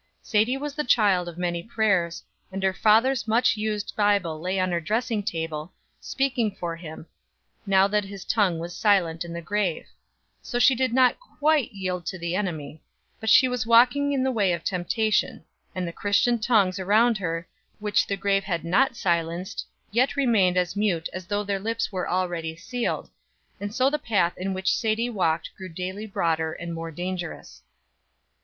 Sadie was the child of many prayers, and her father's much used Bible lay on her dressing table, speaking for him, now that his tongue was silent in the grave; so she did not quite yield to the enemy but she was walking in the way of temptation and the Christian tongues around her, which the grave had not silenced, yet remained as mute as though their lips were already sealed; and so the path in which Sadie walked grew daily broader and more dangerous.